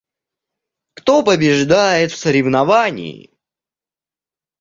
Кто побеждает в соревновании?